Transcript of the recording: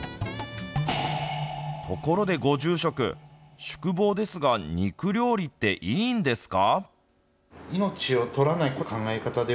ところで、ご住職宿坊ですが肉料理っていいんですか。